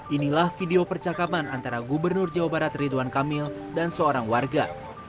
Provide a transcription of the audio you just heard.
inilah video percakapan antara gubernur jawa barat ridwan kamil dan seorang warga